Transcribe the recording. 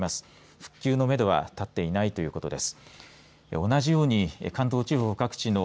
復旧のめどは立っていないということです。